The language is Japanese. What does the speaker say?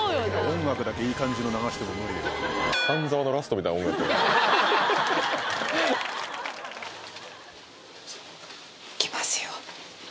音楽だけいい感じの流しても無理や行きますよ